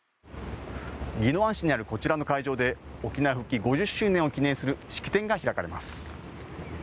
宜野湾市にあるこちらの会場で沖縄復帰５０周年を記念する式典が開かれます。